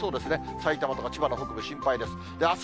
埼玉とか千葉の北部、心配です。